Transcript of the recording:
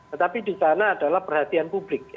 tetapi di sana adalah perhatian publik